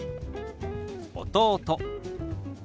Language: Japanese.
「弟」。